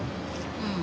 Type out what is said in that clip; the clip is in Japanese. うん。